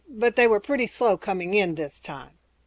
But they were pretty slow coming in this time."